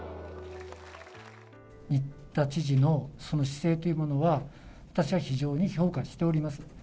新田知事のその姿勢というものは、私は非常に評価しております。